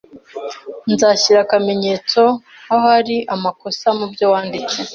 Nzashyira akamenyetso aho hari amakosa mubyo wanditse.